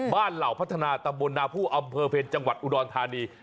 เหล่าพัฒนาตำบลนาผู้อำเภอเพลจังหวัดอุดรธานี